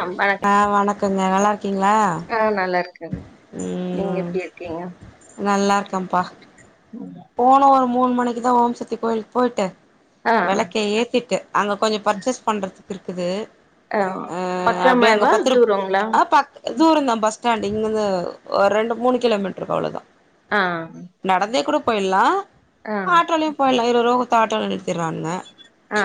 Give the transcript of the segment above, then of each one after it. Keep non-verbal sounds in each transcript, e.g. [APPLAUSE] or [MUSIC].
Come ஆ வணக்கங்க வணக்கம் நல்லா இருக்கீங்களா ஆ நல்லா இருக்கங் நீங்க ம் எப்டி இருக்கீங்க நல்லா இருக்கம்பா [UNINTELLIGIBLE] போன ஒரு மூணு மணிக்கு தா ஓம் சக்தி கோயிலுக் போய்ட்டு ஆ வெளக்க ஏத்திட்டு அங்க கொஞ்ச பர்ச்சேஸ் பண்ணுறதுக் இருக்குது ஆ அப்டியே அங்க பக்கமேவா பத்துருபா தூரங்களா ஆ பத் அ தூரந்தா பஸ் ஸ்டாண்டு் இங்கிந்து ஒரு ரெண்டு மூணு கிலோமீட்ருக்கு அவ்ளோதா ஆ நடந்தே கூட போயில்லா ஆ ஆட்டோலியு போயிலா இருவருவா குத்தா ஆட்டோலே ஆ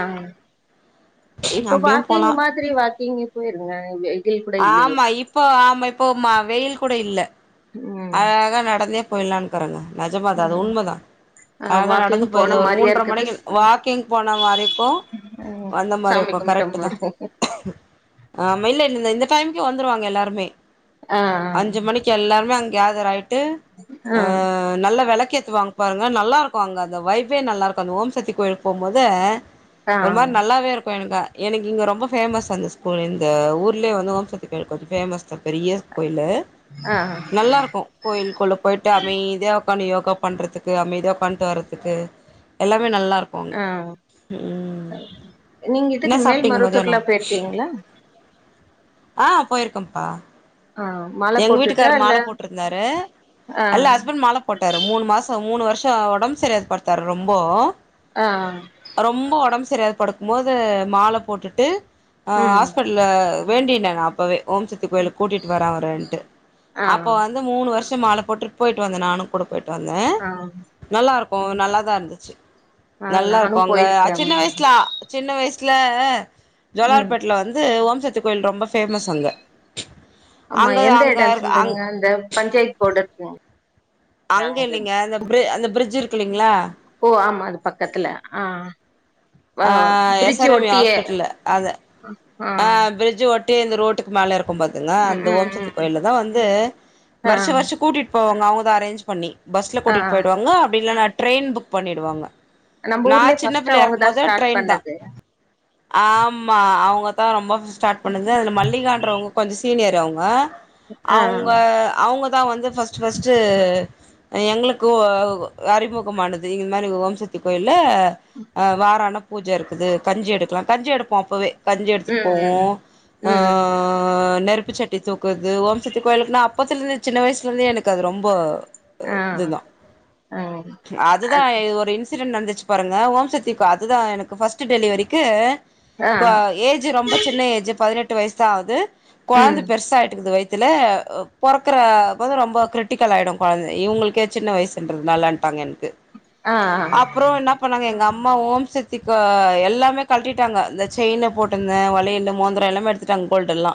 இப்போ அப்டியு வாக்கிங் போலா மாதிரி வாக்கிங்கே போயிருங்க [UNINTELLIGIBLE] இல்லையே ஆமா இப்போ ஆமா இப்போ ம் வெயில் கூட இல்ல ம் அழகா நடந்தே போயலான்கறாங்க நெஜமாதா அது ம் உண்மதா ஆ அழகா வாக்கிங் நடந்து போயிர்து போன ஒரு மாரியா மூன்ற இருக்குது மணிக்கு ஆ வாக்கிங் போன மாரிக்கு ஆ வந்த சாமி மாரியுக்கு கும்ட்ட கரெக்ட்டு தா மாரி ஆமா இல்ல இ இந்த டைமுக்கே வந்துருவாங்க எல்லாருமே ஆ அஞ்சு மணிக் கி எல்லாருமே அங்க கேதர் ஆயிட்டு ஆ அ நல்லா வெளக்கேத்துவாங் பாருங்க நல்லாருக்கு அங்க அந்த வைபே நல்லா இருக்கு அந்த ஓம் சக்தி கோயிலுக் போம்போது ஆ ஒரு மாரி நல்லாவே இருக்கு எனக்கு எனக்கு இங்க ரொம்ப ஃபேமஸ் அந்த ஸ் போ இந்த ஊர்லே வந்து ஓம் சக்தி கோயிலு கொஞ்சோ ஃபேமஸ்தா பெரிய கோயிலு ஆ நல்லாருக்கு கோயிலுக்குள்ள போய்ட்டு அமைதியா உக்கானு யோகா பண்றதுக்கு அமைதியா உக்காந்ட்டு வரதுக்கு எல்லாமே நல்லாருக் கோ அங்க ஆ ம் நீங்க இதுக்கு இன்னா மேல் சாப்டீங்க மதியானோ மருவத்தூர்லா போயிருக்கீங்களா ஆ போயிருக்கம்பா ஆ மால எங் போட்டுட்டா வீட்டுக்காரு இல்ல மால போட்ருந்தாரு ஆ இல்ல ஹஸ்பண் மாலப் போட்டாரு மூணு மாசோ மூணு வருஷோ ஒடம் செரியாது படுத்தாரு ரொம்போ ஆ ஆ ரொம்ப ஒடம் செரியாது படுக்கும் போது மால போட்டுட்டு அ ம் ஆஸ் பிட்ல வேண்டினே அப்பவே ஓம் சக்தி கோயிலுக் கூட்டிட்டு வரே அவரன்டு அப்ப ஆ வந் து மூணு வருஷம் மால போட்டு போயிட்டு வந்தே நானு கூட போயிட்டு வந்தே ஆ நல்லாருக்கு ம் நல்லா தா இருந்துச்சு ஆ நல்லா நானு இருக்கோங்க அ போயிருக்கே சின்ன வயசுல சின்ன வயசுல ம் ஜோலார்பேட்ல வந்து ஓம்சத்தி கோயில் ரொம்ப ஃபேமஸ் அங்க அங்க அங்க இருக்க அங் அந்த பஞ்சாயத்து போடு இருக்கு அங்க இல்லிங்க அந்த அந்த பிரிட்ஜ் இருக்கு இல்லிங்களா ஓ ஆமா அது பக்கத்துல ஆ ஆ S bridge R M E ஒட்டியே ஆஸ்பிட்டல் அத ஆ பிரிட்ஜ் ஒட் டி அந்த ரோட்டுக்கு மேல இருக்கு பாத்துங்க ம் அந்த ம் ஓம்சக்தி ம் கோயில தா வந்து ஆ வருஷ வருஷ கூட்டிட் போவாங்க அவங்க தா அரேஞ்ச் பண்ணி பஸ்ல ஆ கூட்டிட்டு போயிடு வாங்க அப்டி இல்லனா ட்ரெயின் புக் பண்ணிடுவாங்க நம்ம ஊர்லே ஃபஸ்ட் அவுங்க மொத ட்ரெயின் தா ஆமா அவுங்க தா ரொம்ப ஸ்டார்ட் பண்ணது அதுல மல்லிகான்றவுங்க அவங்க கொஞ்சோ சீனியர் அவங்க ஆ அவங்க அவங்க தா வந்து ஃபஸ்ட் ஃபஸ்ட்டு எங்களுக்கு அறிமுகமானது இந்த மாரி ஓம்சக்தி கோயில்ல வார ஆனா பூஜை இருக்குது கஞ்சி எடுக்கலா கஞ்சி எடுப்போ அப்பவே கஞ்சி எடுத்துட்டு ம் போவோ ம் ஆ ம் ஆ நெருப்பு சட்டி தூக்றது ஓம்சக்தி கோயிலுக்குனா அப்பத்துல இருந்து சின்ன வயசுல இருந்தே எனக்கு அது ரொம்ப ஆ இதுதா ஆ அதுதா அது ஒரு இன்சிடென்ட் நடந்துச்சு பாருங்க ஓம்ச த்திக்கு அதுதா எனக்கு ஃபஸ்ட்டு டெலிவரிக்கு ஆ ஏஜ் ரொம்ப சின்ன ஏஜ் பதினெட்டு வயசுதா ஆவுது கொழந்த ம் பெருச ஆயிட்டுது வயித் தில பொறக்கற போது ரொம்ப கிரிட்டிக்கல் ஆயிடு கொழந்தை இவங்களுக்கே சின்ன வயசுன்றதுனால [UNINTELLIGIBLE] ஆ அப்றோ என்ன பண்ணாங்க எங்க அம் அம்மா ஓம் சக்தி எல்லாமே கழட்டிட்டாங்க இந்த செயின் போட்டிருந்த வலையல்லு மோதிரோ எல்லாமே எடுத் ட்டாங்க கோல்டு எல்லா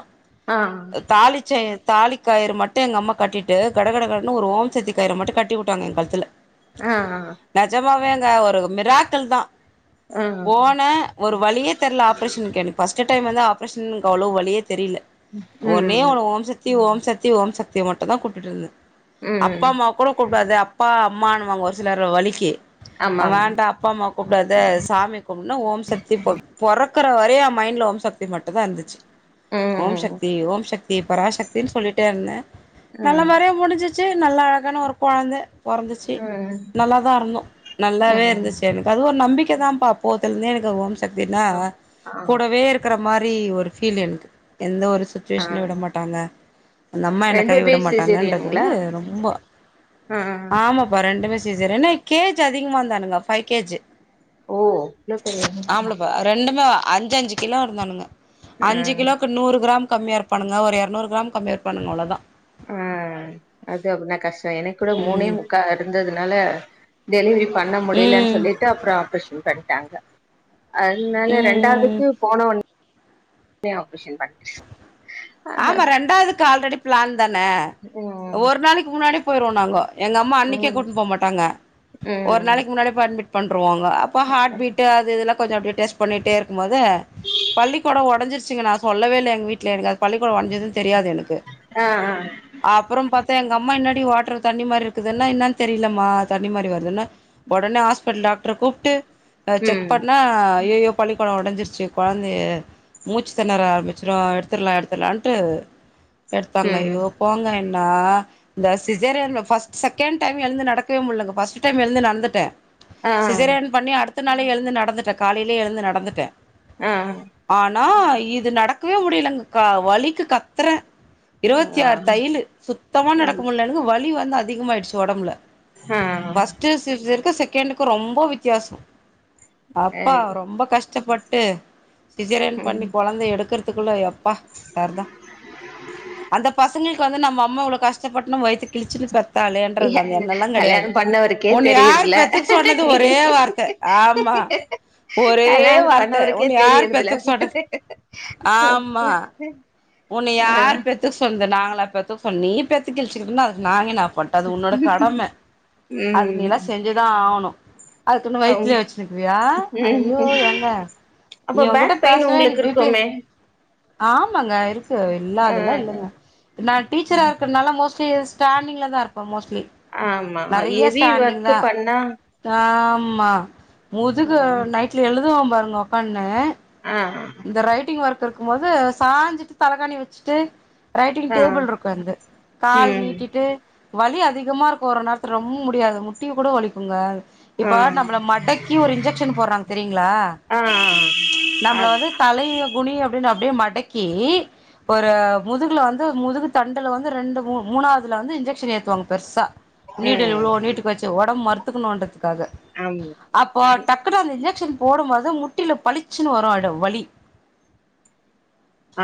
ஆ ஆ தாளிச்செ தாலிக்காயிரு மட்டு எங்க அம்மா கட்டிட்டு கடகட கடன்னு ஒரு ஓம்சக்தி கயிற மட்டு கட்டி விட்டாங்க எங் கழுத்துல ஆ நெஜமாவேங்க ஒரு மிராக்கள் தா ம் போனே ஒரு வலியே தெரில ஆப்ரேஷன்க்கு ஃபஸ்ட்டு டைம் வந்து ஆப்ரேஷனுக்கு அவ்ளோ வலியே தெரியல ஒன்னே ம் ஒன்னு ஓம் சக்தி ஓம் சக்தி ஓம் சக்திய மட்டு தா கூப்டிட்டு இருந் ம் அப்பா அம்மா கூட கூப்பிடாது அப்பா அம்மா வாங்க ஒரு சிலர் வலிக்கு அவ ஆமாம் வேண்டா அப்பா அம்மா கூப்பிடாத சாமி கூப்டி ஓம் சக்தி பொறக்குற வரையு ஏ மைண்ட்ல ஓம் சக்தி மட்டுதா இருந்துச்சு ம் ஓம் ம் சக்தி ஓம் சக்தி பராசக்தின்னு சொல்லிட்டே இருந்தே நல்ல ம் முறையா முடிஞ்சு ச்சு நல்லா அழகான ஒரு கொழந்தை பொறந்துச்சு ம் நல்லாதா இருந்தோ நல்லாவே ம் இருந்துச்சு எனக்கு அது ஒரு நம்பிக்க தாப்பா அப்போத்துல இருந்தே எனக்கு ஓம் சக்தினா ஆ ஆ கூடவே இருக் இக்கற மாரி ஒரு ஃபீல் எனக்கு எந்த ஒரு ஆ சுச்சுவேஷன்ல விட மாட்டாங்க அந்த அம்மா என்ன ரெண்டு கை பேபி விட மாட்டாங்கன்றது சிசேரியனுங்களா வந்து ரொம்ப ஆ ஆமாப்பா ரெண்டுமே சிசேரியனு என்ன கே ஜி அதிகமாந்தானுங்க பைவ் கே ஜி ஓ இவ்ளோ பெரிய ஆம்பளைப்பா ரெண்டுமே அஞ்சு அஞ்சு கிலோ இருந்தானுங்க ஆ அஞ்சு கிலோக்கு நூறு கிராம் கம்மியா இருப்பானுங்க ஒரு இருநூறு கிராம் கம்மியா இருப்பானுங்க அவ்ளோதா ஆ அது அப்டினா கஷ்டோ எனக்கு கூட மூணே ம் முக்கா இருந்ததுனால டெலிவரி பண்ண முடியலன்னு ம் சொல்லிட்டு அப்றோ ஆப்ரேஷன் பண்ணிட்டாங்க அதனால ம் ம் ரெண்டாவதுக்கு போன ஒட்னே ஆபரேஷன் [INAUDIBLE] ஆமா ரெண்டாவதுக்கு ஆல்ரெடி பிளான் தானே ம் ஒரு நாளைக்கி முன்னாடியே போயிருவோ நாங்க எங்க அம்மா அன்னைக்கி ம் கூட்டிட்டு போக மாட்டாங்க ஒரு ம் நாளைக்கி முன்னாடி போய் அட்மிட் பண்ணுருவாங்க அப் ப ஹார்ட்பீட்டு அது இதெல்லா கொஞ்சோ அப்படியே டெஸ்ட் பண்ணிட்டே இருக்கும் போது பனிக்கொடோ ஒடசிருச்சுங்க நா சொல்லவேல்லை எங்க வீட்ல எனக் அதுக் பனிக்கொடோ ஒடஞ்சது தெரியாது எனக் ஆ ஆ அப்புறம் பாத்தா எங்க அம்மா என்னாடி வாட்டர் தண்ணி மாரி இருக்குதுன்னா என்னன்னு தெரியலமா தண்ணி மாரி வருதுன்னா ஓடனே ஹாஸ்பிடல் டாக்டரகூப்பிட்டு செக் ம் பண்ணா அய்யயோ பனிக்கொடம் ஒடைஞ்சிருச்சு கொழந்தைய மூச்சு தெணற ஆரம்பிச்சிரு எடுத்துலா எடுத் தலான்ட்டு எடுத்தாங்க ம் ஐயோ போங்க என்ன இந்த சிசேரியர்ன்ஸ் ஃப்ர்ஸ் செகண்ட் டைம் எழுந்து நடக்கவே முடியலங்க ஃபர்ஸ்ட் டைம் எழுந்து நடந்துட்டே ஆ சிசேரியன் பண்ணி அடுத்த நாளே எழுந்து நடந்துட்டே காலையிலயே எழுந்து நடந்துட்டே ஆ ஆனா இது நடக்கவே முடியலைங்க கா வலிக்கு கத்துறே இருவத்தி ஆ ஆ ஆறு தையிலு சுத்தமா நடக்க முடியலன்னக்கு வலி வந்து அதிகமாயிடுச்சி ஒடம்புல ஆ பஸ்டு சிஸ்சேர்க்கு செகண்டுக்கு ரொம்ப வித்தியாசோ ஆ அப்பா ரொம்ப கஷ்டப்பட்டு சிசேரியன் ம் பண்ணி கொழந்த எடுக்கிறதுக்குள்ள எப்பா சர் தா அந்த பசங் க வந்து நம்ம அம்மா இவ்ளே கஷ்டப்பட் நம் வயித கிழிச்சி ஏ, பெத்தாலேன்றது அந்த எண்ணோல்லா கெடையாது கல்யாணம் பண்ணவருக்கே ஒண்ண யார் தெரியுதுல பெத்துக்கு சொன்னது நீ ஒரே வார்த்த ஆமா ஒரே கல்யாணம் வார்த்த பண்ணவருக்கே உன்னைய யார் தெரியறதுல பெத்துக்க சொன்னது ஆமா உன்னை ஆ யாரு பெத்துக்க சொன்னது நாங்களா பெத்துக்க சொன்னு நீ பெத்து கிழிச்சிகிட்ட அதுக்கு நாங்க என்னா பண்ண அது உன்னோட கடம அது ம் நீல்லாம் செஞ்சிதா ஆகணு அதுக்குன்னு அம் வைத்தல வச்சுருக்குவியா ம் ஐயோ எங்க அப்ப இவங்ககிட்ட பேக் பெயின் பேசவே உங்களுக்கு எனக்கு பீ பி இருக்குமே ஆமாங்க இருக்கு இல்லா ஆ அதெல்ல இல்லங்க நா டீச்சரா இருக்கறனால மோஸ்ட்லி ஸாண்டிங்ல தா இருப்ப மோஸ்லி ஆமா எவி ஒர்க்கு பண்ணா ஆமா முதுகு நைட்டில எழுதுவோம் பாருங்க உக்கானு ஆ இந்த ரைட்டிங் ஒர்க் இருக்கும் போது சாஞ்சிட்டு தலகாணி வச்சிட்டு ரைட்டிங் ஆ டேபிள் இருக்கு என்து கால் ம் நீட்டிட்டு வலி அதிகமா இருக்கு ஒரு நேரத்து ரொம் முடியாது முட்டி கூட வலிக்குங்க ஆ இப்ப நம்மள மடக்ககி ஒரு இன்ஜெக்ஷன் போறாங்க தெரியங்களா ஆ நம்மள அது வந்து தலைய குனி அப்டின்னு அப்டியே மடக்கி ஒரு முதுகுல வந்து முதுகு தண்டல வந்து ரெண்டு மூணு மூணாவதுல வந்து இன்ஜெக்ஷன் ஏத்துவாங்க பெருசா நீடில் ம் இவ்ளோ நீட்டுக்கு வச்சு ஒடம்பு மறத்துக்கணுன்றதுக்காக ஆமா அப்போ டாக் குன்னு அந்த இன்ஜெக்ஷன் போடும்போது முட்டில பளிச்சினு வரு வலி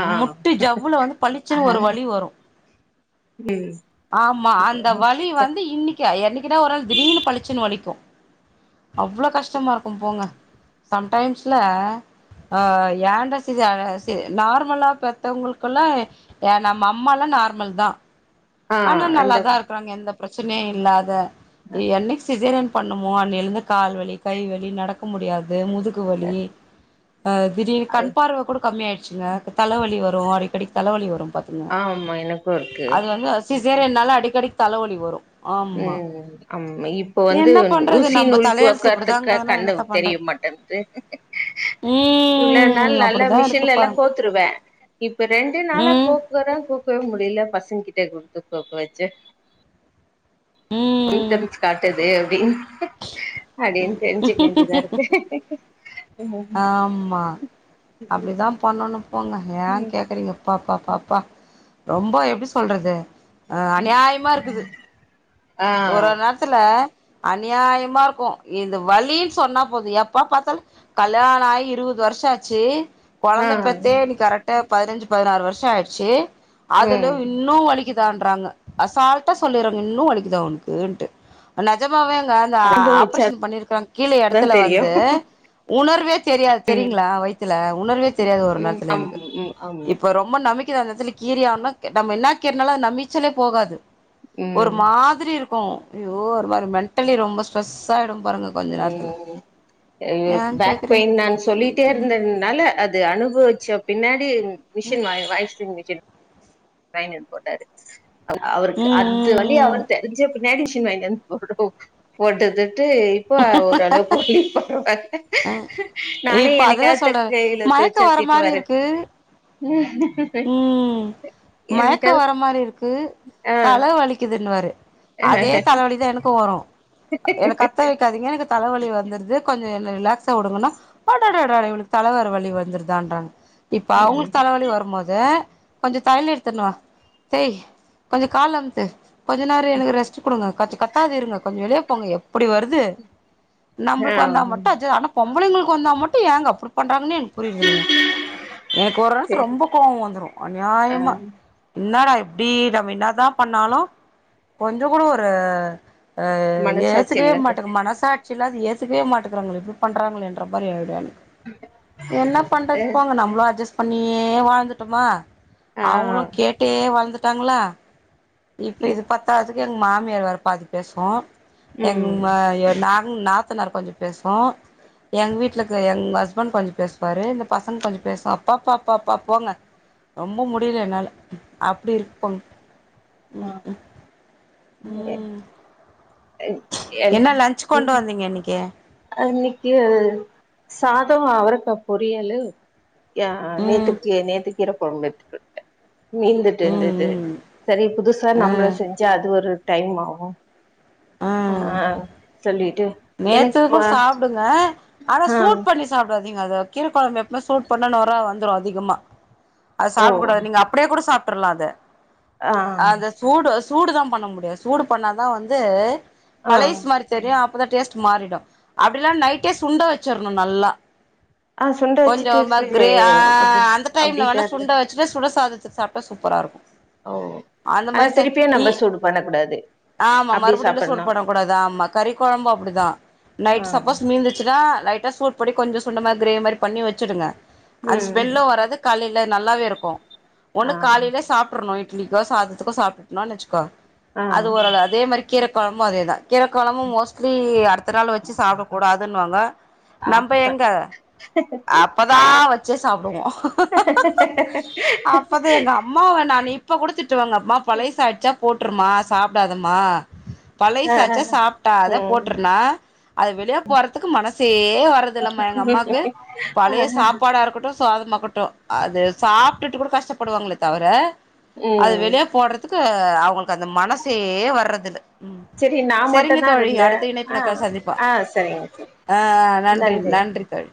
ஆ முட்டி ஜவ்வுல வந்து பழிச்சன்னு ஒரு வலி வரு எஸ் ஆமா அந்த வலி வந்து இன்னைக் கி என்னைக்குன்னா ஒரு நாள் திடீனு பழிச்சன்னு வலிக்கு அவ்ளோ கஷ்டமா இருக்கு போங்க சம்டைம்ஸ்ல அ ஏண்ட சிஸ் சி நார்மலா பெத்தவங்களுக்குல்லா ய நம்ம அம்மால்லா நார்மல் தா ஆ ஆனா அந்த நல்லாதா இருக்கறாங்க எந்த பிரச்சனையு இல்லாத என்னைக்கு சிசேரியன் பண்ணமோ அன்னையில இருந்து கால் வலி கைவலி நடக்க முடியாது முதுகு வலி அ திடீர் அது கண் பார்வ குட கம்மியயிடுச்சுங்க தலவலி வரும் அடிக்கடி தலவலி வரும் ப ங்க ஆமா எனக்கு இருக்கு அது வந்து சிசேரியன் நால அடிக்கடிக் தலவலி வரும் ம் அம் இப்போ வந்து என்ன பண்றது ஊசி நம்ம நூல் தலையெழுத்து கோக்குறதுக்கு இப்டிதாங்குதுன்னா கண்ணு என்னத்த தெரிய பண்றது மாட்டங் இவ்ள நாள் ம் நல்ல அப்டிதா இருக்கு மிஷின்ல எல்லா பாருங் கோத்துருவேன் இப்ப ரெண்டு நாளா ம் கோக்குரன் கோக்கவே முடியல பசங்க கிட்ட குடுத்து கோக்க வச்சு ம் மிம்டனன்ஸ் காட்டுது அப்டின் அப்டின் தெரிஞ்சுக்க வேண்டிதாருக்கு ஆமாம் அப்டிதா பண்ணம் போங்க யேன் ம். கேக்குறீங்க பாப்பா பாப்பா ரொம்ப எப்டி சொல்றது அ அநியாய்மாருக்குது ஆ ஒரு நேர்த்துல அநியாயமாருக்கும் இந்த வலின் சொன்னா போது எப்பப் பாத்தால் கல்யாணாயி இருவது வர்ஷோசாச்சி ஆ கொழந்த பேத்தே இன்க்கு கரெக்டா பதினஞ்சு பதினாறு வர்ஷோ ஆயிடுச்சி அதுல ம் இன்னும் வலிக்குது தான்றாங்க அசால்ட்டா சொல்லிறாங்க இன்னும் வலிக்குதா ஒக்குன்ட்டு நெஜமாவே அங்க அந்த ஆப்ரேஷன் அனுபவிச்சாதா பண்ணிருக்க கீழே எடத்துல தெரியு வந்து உணர்வே தெரியாத் தெரிய்ங்ளா வயித்தல உணர்வே தெரியாது ஒரு ம் நேரத்துல எனக்கு ஆமா ம் ஆமா இப்ப ரொம்ப நம்பிக் கீழ அந்த சொல்லி கீரிய நம்ம கேட்டாம்ம என்ன கெட்டுனாலும் நம்பீச்சலே போகாது ஒரு ம் மா திரி இருக்கும் அய்யோ ஒரு மாதிரி மெண்டலி ரொம்ப ஸ்ட்ரெஸ் ஆயிடும் பாருங்க கொஞ்ச நேர்த்துல அய்யயோ பேக் பெயின் தான் ம் சொல்லிட்டே இருந்ததுனால அது அனுபவிச்ச பின்னாடி மிஷின் வாய் வய்சுங்க வாய்ன்ட்டு போட்டாரு அவருக்கு ம் ம் அது வழி ம் ம் அவர் தெரிஞ்சப்ப நடிஷின் வாங்கிந்து போடுது ஓட்டுதுட்டு இப்ப ஓரளவுக் ஓகே [UNINTELLIGIBLE] நானு இப்ப என்னக்கா அததா சொல்றாரு மயக்க வர மாரி இருக்கு [UNINTELLIGIBLE] மயக்கம் வர மாரிருக்கு தல ஆ வலிக்குதுன்னுவாரு அதே தல வலி இதே எனக்கும் வரும் என்ன கத்த வைக்காதீங்க எனக் தலவலி வந்துருது கொஞ்ச என்ன ரிலாக்சா வுடுங்கன்னா அடாடடடாட இவளுக் தல வேற வழலி வந்துருதான்றாங்க இப்ப அவ்ங்களுக் தலவலி வரும்போ த கொஞ்ச தயிலு எத்துணு வா தேய் கொஞ்ச கால அமுத்து கொஞ்ச நேர எனக்கு ரெஸ்ட் குடுங்க கத் கத்தாது இருங்க கொஞ்ச வெளிய போங்க எப்டி வருது ஆ நம்பள்க்கு வந்தா மட்டு அத ஆனா பொம்பளைங்களுக்கு வந்தா மட்டு ஏங்க அப்டி பண்றாங்கனு எனக் புரியர்துலங்க எனக்கு ஒரு நேர்த்த சரி ரொம்ப கோவோ வந்துரும் ஆ அந்நியாயமா என்னடா இப்டி நம்ம என்னாதா பண்ணாலும் கொஞ்ச குட ஒரு அ மனசாட்சி ஏசக்கவே இல்லாத மாட்டங்க மனசா சில்லாது ஏத்துக்கவே மாட்டுகிறாங்களே இப்டி பண்ணுறாங்களன்ற மாரி ஆயிடும் எனக் என்ன பண்றது போங்க நம்மளும் அட்ஜஸ்ட் பண்ணியே வாழ்ந்துட்டமா ஆ அவ்ங்களும் கேட்டே வளந்துட்டாங்களா இப்ப இது பத்தாது எங் மாமியார் வேற பாதி பேசும் ம் எங்க நா ம் நாத்தனார் கொஞ்ச பேசோம் எங்க வீட்லருக்க எங் ஹஸ்பண்ட் கொஞ்ச பேசுவாரு இந்த பசங்க கொஞ்ச பேசும் அப்ப ப்பப்பப்பா போங்க ரொம்போ முடியில என்னால அப்டி இருக்கும் உம் உம் [UNINTELLIGIBLE] என்னக்கே அன்னைக்கு சாதம் அவரக்கா பொறியலு ய ம் நேத்துக்கி நேத்துக் கீர கொழம்பு எடுத்துக்கட்ட மீந்துட்டு இருந்தது ம் செரி புதுசா நம்மள ம் செஞ்சா அது ஒரு டைம் ஆகு அ ஆ சொல்லிட்டு எனக் நேத்து கூட சாப்டுங்க ஆனா சூட் பண்ணி சாப்டாதீங்க அத கீரக்கொழம்ப எப்மே சூட் பண்ண நொற வந்துரு அதிகமா அது ஓ சாப்டக் கூடாது நீங்க அப் அப்டியே கூட சாப்டர்லா அத ஆ அந்த சூடு சூடு தா பண்ண முடியாது சூடு பண்ணாதா வந் து ஆ பழைஸ் மாரி தெரியு அப்பதா டேஸ்ட் மாறிடு அப்டி இல்ல நைட்டே சுண்ட வச்சிர்ணு நல்லா ஆ சுண்ட கொஞ்ச வச்சுட்டு ம ஃப்ரிட்ஜ் கிரே ஆ அப்டி அந்த டைம்ல வேணா அப்டிதா இருந்த சுண்ட வச் சு சுட சாதத்க் சாப்ட்ட சூப்பரா இருக்கு ஓ அந்த ஆனா மாரி செ திருப்பியு இ நம்ம சூடு பண்ண கூடாது ஆமா அப்டியே மறுபடியுல சூடு சாப்பட்ணு பண்ண கூடாது ஆமா கறி கொழம்பு அப்டிதா நைட் ஆ சப்போஸ் மீந்து ச்சுனா லைட்டா சூட் பண்ணி கொஞ்ச சுண்ட மாரி கிரே மாரி பண்ணி வச்சிடுங்க அந்த ம் ஸ்மெல்லு வராது காலைல நல்லாவே இருக்கு ஒன்னு ஆ காலைல சாப்டுர்ணு இட்லிக்கோ சாதத்துக்கோ சாப்ட்டுட்னு வச்சுக்கோ அது ஆ ஒரளவு அதே மாரி கீர கொழம்பு அதேதா கீர கொழம்பு மோஸ்ட்லி அடுத்த நாள் வச்சு சாப்டக்க கூடாதுன் வாங்க நம்ம எங்க அப்பதா வச்சே சாப்டுவோ அப்பதா எங்க [INAUDIBLE] அம்மாவ நானு இப்போ கூட திட்டுவேங்க அம்மா பழைஸ் ஆய்ச்சா போட்டுருமா சாப்டாதம்மா ஆ பழைஸ் ஆ ஆச்சா சாப்ட்டாத ம் போட்ருனா அது வெளிய போறதுக்கு மனசே வர்றது இல்லம்மா எங்க அம்மாக்கு ஆ பழைய சாப்பாடா இருக்கட்டு சாதமாக்கட்டு அது சாப்டுட்டு கூட கஷ்டப்படுவாங்களே தவர அது ம் வெளியே போட்றது துக்கு அவுங்களுக்கு அந்த மனசே வர்றதில்ல ம் செரி நா மட்டு சரிங்க தா தோழி இருந்த அடுத்த ஆ இணைப்புல சந்திப்போ ஆ செரிங் சர் ஆ நன்றி நன்றி தோழி